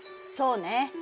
そうね。